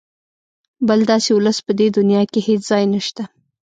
بل داسې ولس په دې دونیا کې هېڅ ځای نشته.